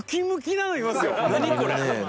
何これ！